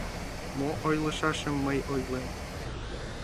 Мо ойлышашым мый ойлем.